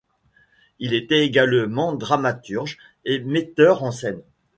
Il était également dramaturge et metteur en scène.